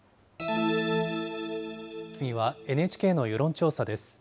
次はＮＨＫの世論調査です。